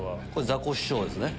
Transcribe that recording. ザコシショウですね。